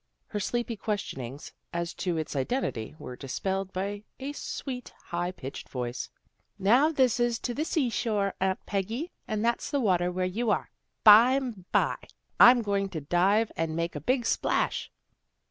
Her sleepy questionings as to its identity were dispelled by a sweet, high pitched voice. " Now this is down to the sea shore, Aunt Peggy, and that's the water where you are. Bime by I'm going to dive and make a big splash."